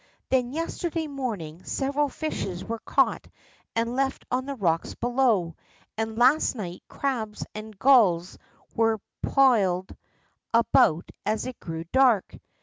Then yesterday morning, several fishes were caught and left on the rocks below, and last night crabs and gulls were piled about as it grew dark.